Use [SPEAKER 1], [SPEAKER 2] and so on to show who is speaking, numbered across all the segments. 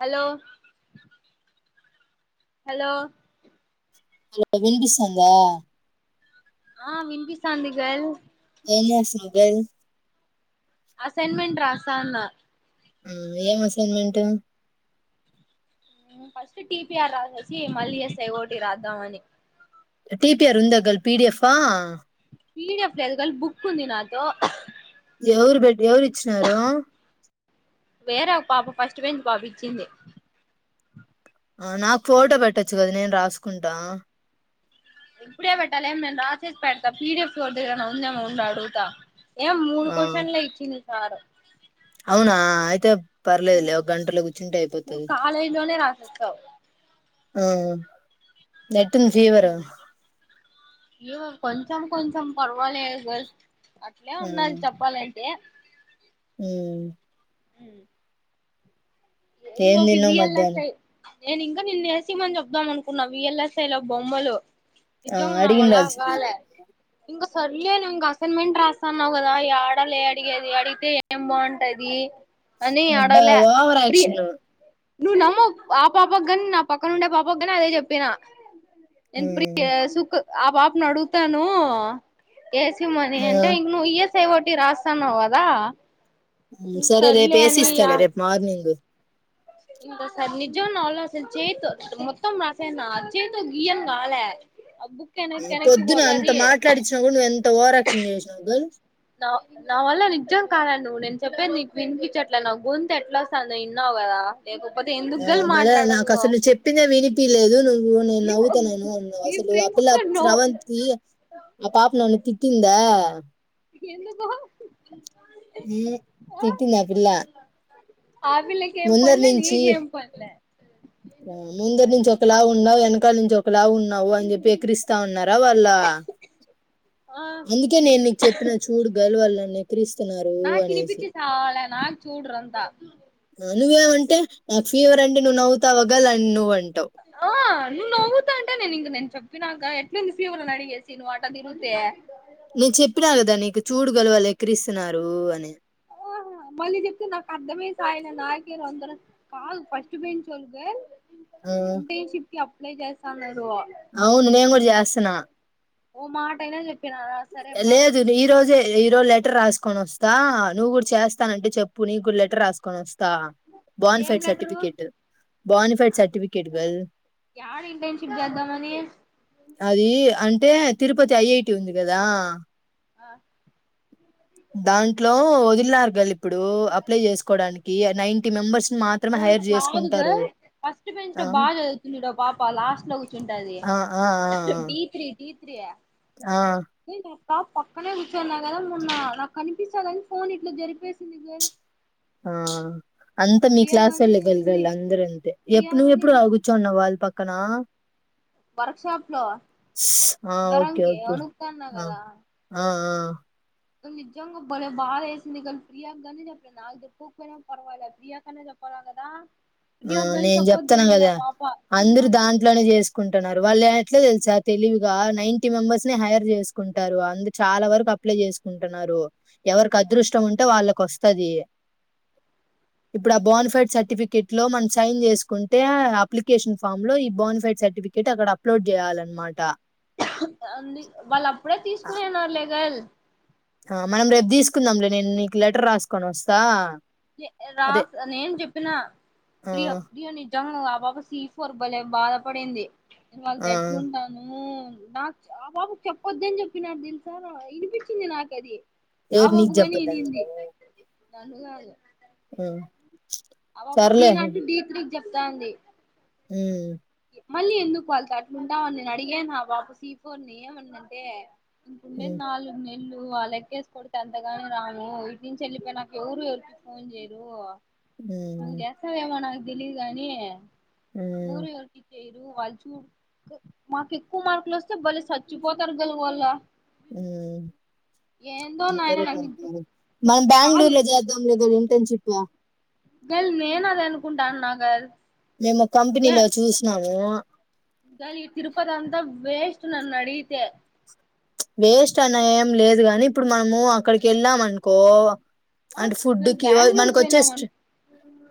[SPEAKER 1] Hello hello
[SPEAKER 2] hello వినిపిస్తుందా
[SPEAKER 1] ఆ వినిపిస్తాది గర్ల్
[SPEAKER 2] ఏం చేస్తున్నావ్ గల్
[SPEAKER 1] అసైన్మెంట్ రాస్తన్న
[SPEAKER 2] ఆ ఏం అసైన్మెంట్
[SPEAKER 1] ఫస్ట్ టిపిఆర్ రాసేసి మళ్ళీ ఎస్ ఐ ఓ టి రాద్దామని
[SPEAKER 2] టిపిఆర్ ఉందగ పిడిఎఫ్ ఆ
[SPEAKER 1] పీడిఎఫ్ తెల్గల్ బుక్ ఉంది నాతో
[SPEAKER 2] ఎవరు బట్ ఎవరు ఇచ్చినార
[SPEAKER 1] ట్వె బాబ జిందంది
[SPEAKER 2] ఆ నాకు ఫోటో పెట్టొచ్చు కదా నేను రాసుకుంటా
[SPEAKER 1] ఇప్పుడే పెట్టాలేం నేను రాసేసి పెడత పిడిఫ్ ఫోర్ దగ్గర ఉందేమ ఉండుత ఏ మూర్
[SPEAKER 2] ఆ
[SPEAKER 1] కోషన్ల ఇచ్చ న సకం
[SPEAKER 2] అవునా అయితే పర్లేదులే ఒక గంటలో కూర్చుంటే
[SPEAKER 1] నువ్వు
[SPEAKER 2] అయిపోతుది
[SPEAKER 1] కాలేజ్ లోనే రాసేస్తావు
[SPEAKER 2] హమ్ ఎట్ంది ఫీవర్
[SPEAKER 1] య్యో కొంచెం కొంచెం పర్వాలి గ అట్లే ఉండాలి చెప్పాలంటే
[SPEAKER 2] హమ్
[SPEAKER 1] హ
[SPEAKER 2] ఏన్ దిన మధ్యాహ్నం
[SPEAKER 1] విఎల్ఎస్ఐ నేను ఇంకా నిన్నేసిమని చెబదాం అనుకున్నా ఈఎల్ఎస్ఐ లో బొమ్మలు
[SPEAKER 2] ఆ
[SPEAKER 1] నిజోంగా న మళ
[SPEAKER 2] అడిగిండాల్సిందే
[SPEAKER 1] కాలే ఇంగ సర్లే ఇంకా అసైన్మెంట్ రాస్తాన్నావు కదా ఆడలే అడిగేది అడిగితే ఏం బాగుంటది అని
[SPEAKER 2] అబ్బా
[SPEAKER 1] అడగలే ప్రి
[SPEAKER 2] ఓవరాక్ష్ లో
[SPEAKER 1] నువ్వు నమ్మవ్ ఆ పాప కాని నా పక్కన ఉండే పాప కాని అదే చెప్పిన ఎన్
[SPEAKER 2] ఉమ్
[SPEAKER 1] ప్రియ సుక్ ఆ పాపను అడుగుతాను ఏసి మని
[SPEAKER 2] ఆ
[SPEAKER 1] అంటే ఇగ్ న్ ఏస్ సే ఓటి రాస్తానవ్ కదా
[SPEAKER 2] హు
[SPEAKER 1] ఇంక
[SPEAKER 2] సరే రేపు
[SPEAKER 1] సర్లే
[SPEAKER 2] వేసిస్తలే రేపు మార్నింగ్
[SPEAKER 1] ఇంక సార్ నిజం నా వాల్ అసల్ చేతో మొత్తం రాసేనా చేేతో గియన్ కాాలే
[SPEAKER 2] ఇగ పొద్దున అంత మాట్లాడిచ్చినా కూడా నువ్వు ఎంత ఓరాక్షన్ చేసినావు గ
[SPEAKER 1] నా వల్ల నిజం కాలా నువ్వు నేను చెప్పేది నీకు వినిపించట్లే నా గొంతు ఎట్లా వస్తుందో ఇన్నావు కదా లేకపోతే ఎందుకు
[SPEAKER 2] ఆ
[SPEAKER 1] గల్
[SPEAKER 2] మలే నాకు
[SPEAKER 1] మాట్లాడను
[SPEAKER 2] అసలు ను్ చెప్పిందే వినిపిలేదు నువ్వు నే నవ్వుతున్నావ్ అ
[SPEAKER 1] మీ
[SPEAKER 2] అసలు ఆ
[SPEAKER 1] ఫ్రెండ్స్
[SPEAKER 2] పిల్ల
[SPEAKER 1] లో నో
[SPEAKER 2] శ్రవంత్ి ఆ పాప నన్ను తి తిందా
[SPEAKER 1] ఎందుకో
[SPEAKER 2] ఉమ్,
[SPEAKER 1] ఆ
[SPEAKER 2] తిట్టింది పిల్ల
[SPEAKER 1] ఆ పిల్ల కి ఏం
[SPEAKER 2] ముందరి
[SPEAKER 1] పన్లే
[SPEAKER 2] నుంచి
[SPEAKER 1] నీక్ ఏం పన్లే
[SPEAKER 2] కల్ చొకలా ఉన్ అవ్ అని చెప్పి ఎకరిస్తా ఉన్నారా వాళ్ళ
[SPEAKER 1] ఆ
[SPEAKER 2] అందుకే నేను నీకు చెప్పిన చూడగల్ వల్
[SPEAKER 1] నా కినిపిించి చావలే నాక్ చూడు్రంతా
[SPEAKER 2] నువ్ ఏవ్ అంటే నాకు ఫీవర్ అంటే నువ్వు నవ్ తవగలన్ నువ్ అన్
[SPEAKER 1] ఆ నువ్ నవవుతా అంటే నేను ఇంక నెను చెప్ ప్పినాంక ఎట్లుంది ఫీవర్ నడిగేసి అట్ట తిరిగితే
[SPEAKER 2] నేను చెప్పినా కదా నీకు చూడు గలు వాళ్ళు ఎక్కరిస్తున్నారు అని
[SPEAKER 1] ఆహా మళ్ళీ చెప్తే నాకు అర్ధమేసయలే నాకేరు అందర కాదు ఫస్ట్ బెంచ్చోళ గల్
[SPEAKER 2] అ
[SPEAKER 1] కి అప్లై చేస్తన్నారు
[SPEAKER 2] అవును నేను కూడా చేస్తున్నా
[SPEAKER 1] ఓ మాటైనా చెప్
[SPEAKER 2] ఎ లేదు ఈ రోజే ఈ రోజు లెటర్ రాసుకొని వస్తా నువ్వు కూడా చేస్తానంటే చెప్ పు నీకు లెటర్ రాసుకొని వస్తా బోన్
[SPEAKER 1] ఏం
[SPEAKER 2] fide
[SPEAKER 1] letter
[SPEAKER 2] certificate bona fide వెల్ సర్టిఫికెట్
[SPEAKER 1] యాడ ఇంటర్న్షిప్ చేద్దామని
[SPEAKER 2] అది అన్ ఏ తరుపతి ఐటి ఉంది కద దా
[SPEAKER 1] ఆ
[SPEAKER 2] దాంట్లో వదిలినారు కలి ఇప్పుడు అప్లై చేసుకోడానికి నైటీ మెంబర్స్ ని మాత్రమే
[SPEAKER 1] గర్ల్
[SPEAKER 2] హైర్
[SPEAKER 1] కాదు
[SPEAKER 2] చేసుకుంటారు
[SPEAKER 1] గర్ల్ ఫస్ట్ బెంచ్
[SPEAKER 2] ఆ
[SPEAKER 1] లో బాగా చదువుతుంది చూడు ఓ పాప లాస్ట్ లో కూర్చుంటది
[SPEAKER 2] ఆ ఆ
[SPEAKER 1] డి త్రీ డి
[SPEAKER 2] ఆ ఆ
[SPEAKER 1] ాప్ పక్కనే కూర్చున్నా కదా మొన్న నాకు కనిపిస్తందిని ఫోన్ ఇట్లా జరిపేసింది గదు
[SPEAKER 2] ఆ అంతా మీ క్లాస్
[SPEAKER 1] గాని చూసింది
[SPEAKER 2] వెళ్ళగలగాల అందరంటే
[SPEAKER 1] ప్రియా
[SPEAKER 2] ఎప్పుడు నువ
[SPEAKER 1] గాని
[SPEAKER 2] ఎప్పుడు ఆగుచున్నావు వాళ్ళు పక్క క్కనా
[SPEAKER 1] వర్క్షాప్ లో
[SPEAKER 2] ఆ ఓకే
[SPEAKER 1] జ్వరంక
[SPEAKER 2] ఓకే
[SPEAKER 1] వణకుతాన్నా కదా
[SPEAKER 2] హాయ్
[SPEAKER 1] కొ నిజంగా బలే బా చేేసిందిక ప్రయాంక చెప్ప నాాలుగు పకు పర్వాల ప్రయాంకనే చ చెప్పడు కదా
[SPEAKER 2] ఆ
[SPEAKER 1] ప్రియాకి గాని
[SPEAKER 2] నేను చెప్తాను
[SPEAKER 1] చెప్పొద్దనింది ఆ
[SPEAKER 2] కదా
[SPEAKER 1] పాప
[SPEAKER 2] అందరు
[SPEAKER 1] సీనాటు
[SPEAKER 2] దాంట్లోనే చేసుకుంటున్నారు వాళ్ళు ఎట్లా తెలుసా తెలివిగా నైన్టీ మెంబర్స్ ని హైర్ చేసుకుంటారు అందు చాలా వరకు అప్లై చేసుకుంటున్నారు ఎవరికి అదృష్టం ఉంటే వాళ్ళకి వది ఇప్పుడు ఆ బోన్ ఫైడ్ సర్టిఫికెట్ ఇట్ లో మనం సైన్ చేసుకుంటే అప్లికేషన్ ఫామ్ లో ఈ బోన్ ఫైడ్ సర్టిఫికెట్ అక్కడ అప్లోడ్ చేయాలన్నమాట
[SPEAKER 1] ఇప్పుడే
[SPEAKER 2] ఆ
[SPEAKER 1] తీసుకునిన్నారులేగల్
[SPEAKER 2] మనం రేపు తీసుకుందాంలే నేను నీకు లెటర్ రాసుకోని వస్తా
[SPEAKER 1] రా
[SPEAKER 2] అదే
[SPEAKER 1] నేను చెప్పిన
[SPEAKER 2] ఆ
[SPEAKER 1] ప్రియో ప్రియో ని చ ఆబ కసిఫ బలే బాగా పడేందే నేను వాళ్ళకి
[SPEAKER 2] ఆ
[SPEAKER 1] ఎట్లుంటాను నాకు ఆ బాబు చెప్పొద్ద్ద అని చెప్పినారు తెలుసా వినిపించింది నాకు అది ఆ
[SPEAKER 2] ఎవరు నీకు
[SPEAKER 1] బాబుగాని
[SPEAKER 2] చెప్పద్దని
[SPEAKER 1] నింది రండ కాాల
[SPEAKER 2] ఆ సర్లే
[SPEAKER 1] చెప్తా అండి
[SPEAKER 2] హ
[SPEAKER 1] మళ్ళీ ఎందుకు వాళ్త అట్లుంటావుని నేను అడిగాే నా బాపు సీఫని ఏమని అంటే గుండ
[SPEAKER 2] ఉమ్
[SPEAKER 1] నాలుగు ఉ ఇల్లు అ లెక్కేసి కొడితే ఎంతగాన రాము వీటి నుంచి వెళ్ళిపోయి నాకు ఎవరు ఎవరికి ఫోన్ చేయరు అ
[SPEAKER 2] ఉమ్
[SPEAKER 1] జస్త వయమాన దిలీ కాగానీ
[SPEAKER 2] అ
[SPEAKER 1] చేయరు వాళ్ళు చూ మాకు ఎక్కువ మార్కులు వస్తే బళ్లే చచ్చిపోతారు గలు వాళ్ళ
[SPEAKER 2] ఆ
[SPEAKER 1] నాయన
[SPEAKER 2] సరే కొ
[SPEAKER 1] నాకు
[SPEAKER 2] మనం బెంగళూరు
[SPEAKER 1] కాదు
[SPEAKER 2] లో చేద్దాంలేదా తెంచిిపా
[SPEAKER 1] గ నేను అది అనుకుంటాను నా గారు
[SPEAKER 2] మేము కంపెనీలో చూసన్నాము
[SPEAKER 1] లి తిరుపతి అంతా వేస్ట్ నన్ నడితే
[SPEAKER 2] వేస్ట్ అన్న ఏం లేదు కాని ఇప్పుడు మనము అక్కడికి వెళ్ళాం అనుకో
[SPEAKER 1] మనం
[SPEAKER 2] అంటే ఫుడ్
[SPEAKER 1] గల్
[SPEAKER 2] క
[SPEAKER 1] బెంగళూరు
[SPEAKER 2] మనకు వచ్చే
[SPEAKER 1] పోయినాం అను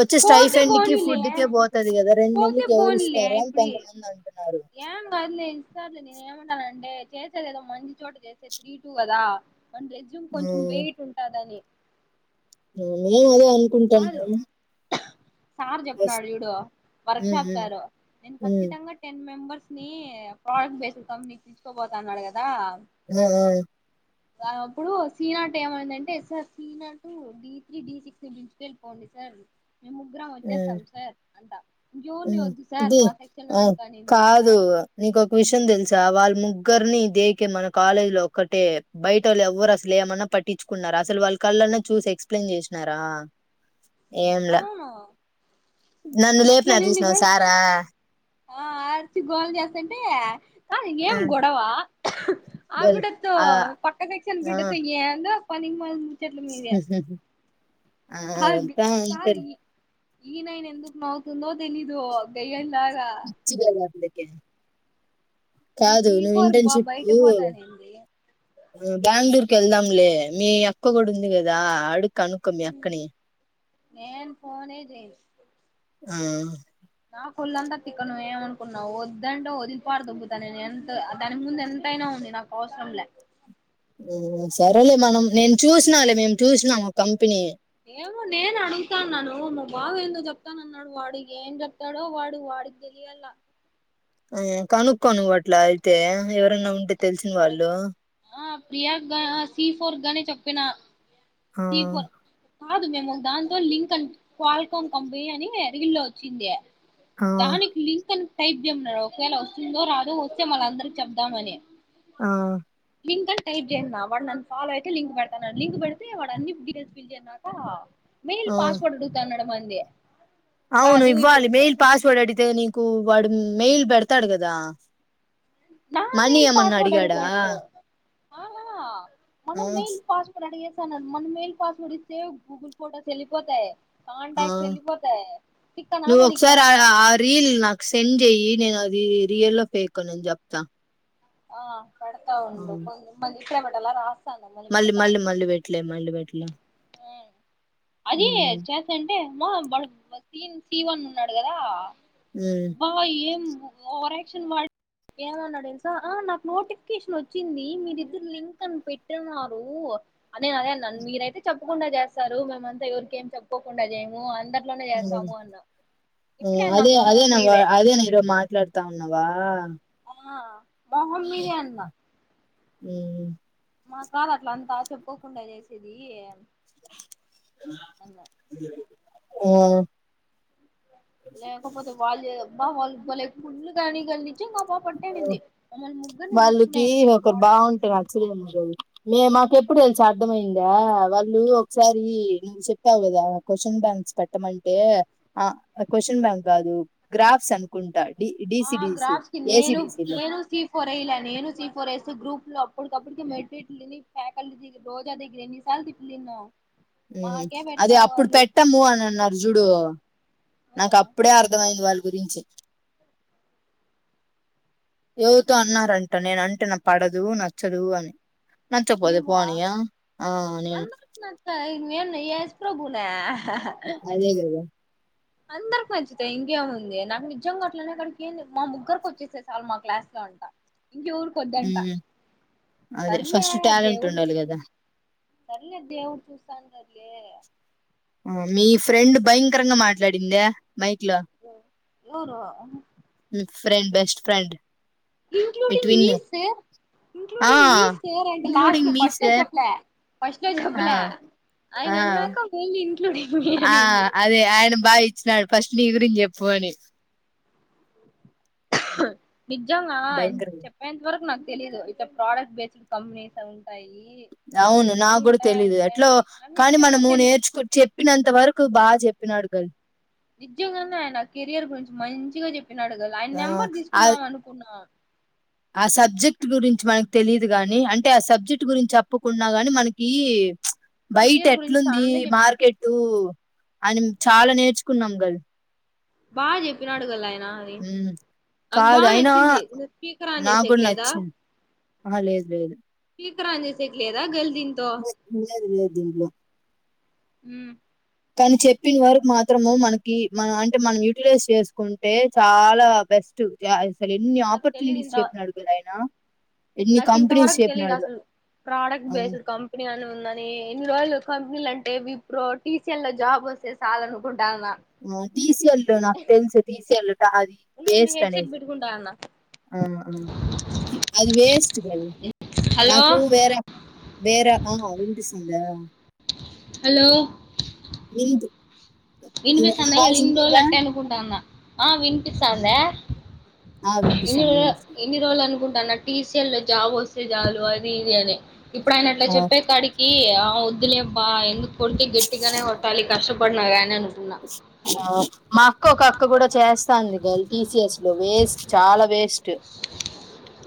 [SPEAKER 2] వచ్చే
[SPEAKER 1] పోతే
[SPEAKER 2] స్టైఫెండ్ కి
[SPEAKER 1] పోనీలే
[SPEAKER 2] ఫుడ్కే పోతుంది కదా రెండు
[SPEAKER 1] పోతే
[SPEAKER 2] నెలలకి ఎవరు
[SPEAKER 1] పోనీలే
[SPEAKER 2] ఇస్తారు అని
[SPEAKER 1] ఇప్పుడు
[SPEAKER 2] కొంతమంది అంటున్నారు
[SPEAKER 1] ఏం కాదులే సారీ నేను ఏమంటానంటే చేసేది ఏదో మంచి చోట చేసేది త్రీ టూ కదా అండ్ రెజూమ్ కొంచెం వెయిట్ ఉంటదని
[SPEAKER 2] నువ్ ఆ అనుకుంటాను
[SPEAKER 1] కాదు సార్ చెప్పాడు చూడు వర్క్
[SPEAKER 2] హ్మ్.
[SPEAKER 1] షాప్
[SPEAKER 2] హ్మ్.
[SPEAKER 1] సారు నేను
[SPEAKER 2] హ్మ్.
[SPEAKER 1] ఖచ్చితంగా టెన్ మెంబ ప్రోడక్ట్ బేస్ నకు తెచ్చుకోపోతా అన్నాడు కదా
[SPEAKER 2] ఆ
[SPEAKER 1] అప్పుడు సీ నాటు ఏమైందింటే ఎస్ స నాటు డి త్రీ డి సిక్స్ పోండి సార్ మేము ముగ్గురం
[SPEAKER 2] హ్మ్.
[SPEAKER 1] వచ్చేస్తాం సార్ అంటా
[SPEAKER 2] ఇది ఆ
[SPEAKER 1] అనింది తెలుసా
[SPEAKER 2] కాదు నీకు ఒక విషయం తెలుసా వాళ్ళు ము ఎవరిని ని దేకే మన కాలేజ్ లో ఒక్కటే బయట వాళ్ళు ఎవరు అసలు ఏమన్నా పట్టించుకున్నారా అసలు వాళ్ళ కళ్ళన్నా చూసి ఎక్స్ప్లెయిన్ చేసినారా ఏం లే
[SPEAKER 1] అవును
[SPEAKER 2] నన్ను లేపినాడు
[SPEAKER 1] అట్లనింది
[SPEAKER 2] చూసినవా
[SPEAKER 1] కూడా
[SPEAKER 2] సారా
[SPEAKER 1] ఆ అరిచి గోళ చేస్తంటే ఆ ఏం గొడవా ఆ
[SPEAKER 2] గల్
[SPEAKER 1] బిడ్డతో
[SPEAKER 2] ఆ!
[SPEAKER 1] పక్క సెక్షన్ బిడ్డతో ఏం పనికి మా
[SPEAKER 2] హ్మ్మ్ హూ ఆ
[SPEAKER 1] అది
[SPEAKER 2] అవంతా
[SPEAKER 1] కాదు
[SPEAKER 2] ఐపోర్ లే
[SPEAKER 1] ఈ ఈ నైన్ ఎందుకు నవ్వుతుందో తెలీదు దయ్య
[SPEAKER 2] ఇచ్చగాలే ఒకే
[SPEAKER 1] మీ జీఫర్ బా బైట పోతదేందీ
[SPEAKER 2] బ్రో బెంగ్ళూరుకి వెళ్దాంలే మీ అక్క కూడా ఉంది కదా అడుగ్ కనుక్కో మీ అక్కని
[SPEAKER 1] నేన్ ఫోనే జెయన్
[SPEAKER 2] ఆ
[SPEAKER 1] నా కొళ్ళంతా తిక్కను వే ఏమనుకున్నావు వద్దంటే వదిలి పార్దోబ్బుతా నేను ఎంత దాని ముందు ఎంతైనా ఉంది నాకు అవసరంలే
[SPEAKER 2] హ్మ్ సరేలే మనం నేను చూసినా లే మేము చూసినాం ఒక కంపెనీ
[SPEAKER 1] ఏమో నేను అడుగుతాన్నాను మా బావ ఏందో చెప్తాన అన్నాడు వాడు ఏం చెప్తాడో వాడు వాడికి తెలియాల
[SPEAKER 2] ఉ కనుకో నువ్వు అట్లా అయితే ఎవరన్నా ఉంటే తెల్సిన వాళ్ళు
[SPEAKER 1] ప్రియా గా సి ఫోర్ గానే చెప్పిన
[SPEAKER 2] ఆహా
[SPEAKER 1] కాదు మే ఒక దాంతో లింక్ అ కల్కాన్ కంపెనీ అని రీల్ లో వచ్చింది.
[SPEAKER 2] ఆ
[SPEAKER 1] దానికి లింక్ అని టైప్ చేమ్న్నారు ఒకవేళ వస్తుందో రాదో వస్తే మళ్ళ అందరి చెబ్దామని
[SPEAKER 2] ఆ
[SPEAKER 1] టైప్ చేసినా వాడు నన్ను ఫాలో అయితే లింక్ పెడతాను లింక్ పెడితే వాడు అన్ని డిటైల్స్ ఫిల్ చేసస్నాక మెయిల్
[SPEAKER 2] ఆ
[SPEAKER 1] పాస్వర్డ్ అడుగుతున్నాడు అ
[SPEAKER 2] అవును ఇవ్వాలి మెయిల్ పాస్వర్డ్ అడితే నీకు వాడు మెయిల్ పెడతాడు కదా
[SPEAKER 1] నా
[SPEAKER 2] మళ్లీ ఏమన్నా అడిగాడా
[SPEAKER 1] ఆ
[SPEAKER 2] ఆ
[SPEAKER 1] అబ్బా మెయిల్ పాస్వర్డ్ అడిగేసి మన మెయిల్. పాస్వర్డ్ ఇస్తే గూగుల్ ఫోటోస్ వెళ్లిపోతాయి
[SPEAKER 2] ఆ
[SPEAKER 1] తిక్కనా
[SPEAKER 2] నువ్ ఒకసారి
[SPEAKER 1] మనకేమన్నా
[SPEAKER 2] ఆ రీల్ నాకు సెండ్ చెయ్యి నేను రియల్. ఓ ఫేక్ ఓ చెప్తా
[SPEAKER 1] ఆ పెడతా ఉండు పది
[SPEAKER 2] మళ్ళీ మళ్ళీ మళ్ళీ పెట్లే మళ్ళీ పెట్ల
[SPEAKER 1] ఆది చేస్తుంటే బ స సి వన్ ఉన్నాడు కదా
[SPEAKER 2] మ్మ్
[SPEAKER 1] బ్ భాయి ఏ ఓవరాక్షన్ వాడు ఏమన్నాడూ తెలుసా నాకు నోటిఫికేషన్ వచ్చింది మీరిద్దరు లింక్ అని పెట్టిన్నారు అదే అదే అన్నాన్న మీర అయితే చెప్ప తకుండా చేస్తారు మేమ అంత ఎవరికేం చెప్పుకోకుండా చేయము అండ్ అన్నా
[SPEAKER 2] అదే అదే
[SPEAKER 1] మొహం
[SPEAKER 2] నా వా
[SPEAKER 1] మీదే
[SPEAKER 2] అదే న ఏదో మాట్లాడుతా ఉ అవా
[SPEAKER 1] ఆ ఆ హ మీదే అన్న
[SPEAKER 2] హ్మ్
[SPEAKER 1] మా కాదు అట్ల అంతా చెప్పుకోకుండా చేసేది అలా
[SPEAKER 2] ఆ
[SPEAKER 1] లేకపోతే వాళ్ళు మా వాల్ బలే కుళ్ళు కానీ గల్లీ నిజంగా ఆ పాప అట్టే
[SPEAKER 2] ఆ.
[SPEAKER 1] అనింది మమ్మల్ని ముగ్గురిని
[SPEAKER 2] వాళ్ళకి
[SPEAKER 1] తీసుకునేయండి సార్
[SPEAKER 2] ఒకరు
[SPEAKER 1] ప్రోడక్ట్
[SPEAKER 2] బాగుంటే
[SPEAKER 1] బేస్డ్ కి
[SPEAKER 2] నచ్చలేము రోజు మే మాకు ఎప్పుడు తెలుస అర్థమయింది వాళ్ళు ఒకసారి నువ్వు చెప్పావు కదా క్వశ్చన్ బ్యాంక్స్ పెట్టమంటే ఆ క్వశ్చన్ బ్యాంక్ కాదు గ్రాఫ్స్ అనుకుంటా
[SPEAKER 1] ఆ
[SPEAKER 2] డిసి డిసి
[SPEAKER 1] గ్రాఫ్స్ కి నేను నేను సి ఫోరే య్యాలె నేను సి ఫోర్ ఎస్ గ్రూప్ లో అప్పటికప్పుటిక మెట్ ఎట్లు తిని ఫ్యాకల్టీ రోజ్ అ సార్ దగ్గర ఎన్ని సార్లు తిట్లు తిన్యవ్
[SPEAKER 2] హ్మ్ అది అప్పుడు పెట్టము అని అన్నారు జుడు
[SPEAKER 1] ఆ
[SPEAKER 2] నాకు అప్పుడే అర్థమయింది వాళ్ళు గురించి ఎవరితో అన్నారంటనే నేనంటే నా పడదు నచ్చదు అని నచ్చకపోతే
[SPEAKER 1] నువ్వా
[SPEAKER 2] పోనియా ఆ నేను
[SPEAKER 1] నేనేన్నా ఏసు ప్రభు నా
[SPEAKER 2] అదేగద
[SPEAKER 1] అందరికి నచ్చితే ఇంకేముంది నాకు నిజంగా అట్లనే అక్కడికి ఏ మా ముగ్గురికి వచ్చేసే సాల్ మా క్లాస్ లో అంట ఇంకెవరికి వద్దంట
[SPEAKER 2] ఉమ్ అదే
[SPEAKER 1] సర్లే
[SPEAKER 2] ఫస్ట్ టాలెంట్
[SPEAKER 1] దేవుడు
[SPEAKER 2] ఉండాలి
[SPEAKER 1] చూస్
[SPEAKER 2] కదా
[SPEAKER 1] సర్లే దేవుడు చూస్తాంట
[SPEAKER 2] మీ ఫ్రెండ్ భయంకరంగా మాట్లాడిందా మైక్లో
[SPEAKER 1] ఎవరు
[SPEAKER 2] ఫ్రెండ్ బెస్ట్ ఫ్రెండ్
[SPEAKER 1] ఇంక్లూడింగ్ మీ సార్
[SPEAKER 2] ఆ
[SPEAKER 1] ఇన్క్లూడింగ్ మీ సేర్ అంటే లాస్ట్
[SPEAKER 2] ఇంక్లూడింగ్
[SPEAKER 1] లో
[SPEAKER 2] మీ
[SPEAKER 1] ఫస్ట్ లో
[SPEAKER 2] సార్
[SPEAKER 1] చెప్పలే ఫస్ట్ లో
[SPEAKER 2] ఆ
[SPEAKER 1] చెప్పలే ఆయన
[SPEAKER 2] ఆ
[SPEAKER 1] అన్నాక మన్లీ ఇంక్లూడింగ్ మీ
[SPEAKER 2] ఆ
[SPEAKER 1] అనిగింది
[SPEAKER 2] అదే ఆయన బాగా ఇచ్చినాడు ఫస్ట్ నీ గురించి చెప్పు అని
[SPEAKER 1] నిజంగా
[SPEAKER 2] భయంకరంగా
[SPEAKER 1] చెప్పేంత వరకు నాకు తెలీదు ఇక్కడ ప్రోడక్ట్ బేస్డ్ కంపెనీస్ తగులుతాయి
[SPEAKER 2] అవును నాకు కూడా తెలీదు ఎట్లో
[SPEAKER 1] నాకు
[SPEAKER 2] కానీ
[SPEAKER 1] నిజంగా
[SPEAKER 2] మనము
[SPEAKER 1] తెలీదు
[SPEAKER 2] నేర్చుకు చెప్పినంత వరకు బాగా చెప్ప చేపినాడు గల్
[SPEAKER 1] నిజ్జంగానే ఆయన కెరియర్ గురించి మంచిగా చెప్ చెప్పినడు గల్ ఆయన
[SPEAKER 2] ఆ
[SPEAKER 1] నెంబర్
[SPEAKER 2] ఆ
[SPEAKER 1] తీసుకుందాం అనుకున్నా
[SPEAKER 2] ఆ సబ్జెక్ట్ గురించి మనకు తెలిదు గాని అంటే ఆ సబ్జెక్ట్ గురించి చెప్పకున్నా గాని మనకి బయట్
[SPEAKER 1] కెరియర్ గురించి
[SPEAKER 2] ఎట్లుంది
[SPEAKER 1] చాలానే చెప్పినాడు
[SPEAKER 2] మార్కెటు అని చాలా నేర్చుకున్నాం గల్
[SPEAKER 1] బా చెప్పినాడు గల్ అయిన అది
[SPEAKER 2] ఉమ్,
[SPEAKER 1] నాకు
[SPEAKER 2] కాదు
[SPEAKER 1] బాగా
[SPEAKER 2] అయినా
[SPEAKER 1] నచ్చింది స్పీకర్ ఆన్ చేసేకి లేదా
[SPEAKER 2] ఆ లేదు లేదు
[SPEAKER 1] స్పీకర్ ఆన్ చేసేకి లేదా గల్ దీంతో
[SPEAKER 2] బట్ పూజాది లేదు దీంట్లో.
[SPEAKER 1] హు
[SPEAKER 2] కానీ చెప్పిన వరకు మాత్రము మనకి, మన అంటే మనం యూటిలైజ్ చేసుకుంటే చాలా బెస్ట్. ఎన్ని
[SPEAKER 1] నాకు తెలీదు
[SPEAKER 2] ఆపర్చునిటీస్
[SPEAKER 1] ఇంత
[SPEAKER 2] చెప్పినాడు కదా ఆయన. ఎన్ని
[SPEAKER 1] నాకు
[SPEAKER 2] కంపెనీస్
[SPEAKER 1] ఇంతవరకు తెలీదు
[SPEAKER 2] చెప్పినాడు
[SPEAKER 1] అసలు. ప్రోడక్ట్ బేస్డ్ కంపెనీ అని ఉందని ఇన్ని రోజలు. కంపెనీలు అంటే విప్రో టీ సీ ఎల్ లో జాబ్ వస్తే చాలనుకుంట
[SPEAKER 2] టి సి ఎల్ లో నాకు తెలుసు టిసియాలు అది
[SPEAKER 1] నేను
[SPEAKER 2] వేస్ట్
[SPEAKER 1] హెడ్సెట్
[SPEAKER 2] అనేసి.
[SPEAKER 1] పెట్టుకుంటాన్న
[SPEAKER 2] ఆ అది వేస్ట్ కానీ
[SPEAKER 1] హలో
[SPEAKER 2] నాకు వేరే వేర ఆ వినిపిస్తుందా.
[SPEAKER 1] హలో
[SPEAKER 2] వింతు
[SPEAKER 1] వినిపిస్తాందా. ఇన్ని రోజులు అట్టె అనుకుంటున్నా. ఆ వినిపిస్తాందా.
[SPEAKER 2] ఆ
[SPEAKER 1] ఇన్ని
[SPEAKER 2] వినిపిస్తుంది
[SPEAKER 1] రోజు
[SPEAKER 2] వినిపిస్తుంది
[SPEAKER 1] ఇన్ని రోజులు అనుకుంటు తన టీ సి ఎల్ లో జాబ్ వస్తే చాలు అది ఇది అనే ఇప్పుడు ఆయన అట్లా
[SPEAKER 2] ఆ
[SPEAKER 1] చెప్పే కాడికి వద్దులే అబ్బా ఎందుకు కొంట్టి గట్టిగానే కొట్టాలి. కష్ట ప పడినగాయనను
[SPEAKER 2] మా అక్క ఒక అక్క కూడా చేస్తాంది. గలి టి సి ఎస్ లో వేస్ట్. చాలా వేస్ట్. స్స్ట్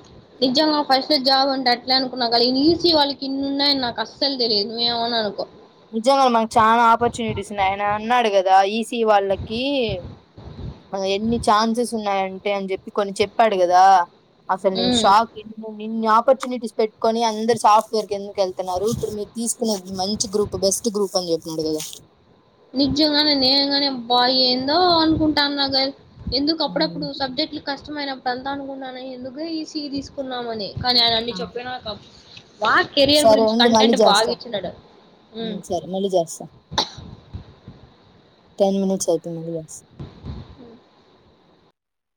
[SPEAKER 1] నిజంగా ఫస్ట్ జాబ్ ఉంటే అట్లే అనుకున్నా. కానీ ఈసి వాళ్ళకి ఇన్ని ఉన్నాయని నాకు అసలు తెలియదు. నువ్వు ఏం అన్న అనుకో
[SPEAKER 2] నిజంగా మాకు చాలా ఆపర్చునిటీస్ ఉన్నాయని అన్నాడు. కదా ఈ వాళ్ళకి. ఎన్ని ఛాన్సెస్ ఉన్నాయంటే అని. చెప్పి కొన్ని చెప్పాడు కదా. అసలు నేను
[SPEAKER 1] ఉమ్.
[SPEAKER 2] షాక్ నిన్ ఆపర్చునిటీస్ పెట్టుకొని అందరు సాఫ్ట్వేర్ ఎందుకు వెళ్తున్నారు. ఇప్పుడు మీరు తీసుకునే మంచి గ్రూప్ బెస్ట్ గ్రూప్ అని చెప్పిన్నాడు కదా.
[SPEAKER 1] నిజంగానే నేనుగాని అబ్బా ఏందో అనుకుంటా నా గ ఎందుకు
[SPEAKER 2] కదా
[SPEAKER 1] అప్పుడప్పుడు సబ్జెక్ట్లు కాస్త కష్టమైనప్పుడు అంతా అనుకుంటానా. ఎందుకు ఈ సీ తీసుకున్నామని. కానీ ఆయన అన్ని చెప్పాను నా క మా కెరియర్
[SPEAKER 2] సరే
[SPEAKER 1] గురించి
[SPEAKER 2] ఉండు మళ్ళీ
[SPEAKER 1] కంటెంట్ బాగా
[SPEAKER 2] చేస్తా
[SPEAKER 1] ఇచ్చినడు ఉ
[SPEAKER 2] సరే మళ్ళీ చేస్తా టెన్ మినిట్స్ అయ్‌పోయింధి మళ్లీ చేస్తా